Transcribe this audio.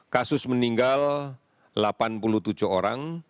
kasus meninggal delapan puluh tujuh orang